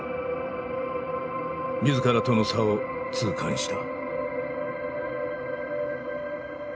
自らとの差を痛感した。